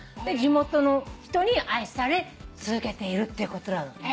で地元の人に愛され続けているってことなの。